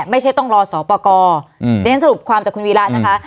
ไม่ใช่ต้องรอสอบประกออืมในนั้นสรุปความจากคุณวีรัตน์นะคะ